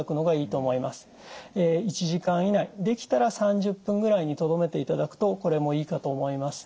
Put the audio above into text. １時間以内できたら３０分ぐらいにとどめていただくとこれもいいかと思います。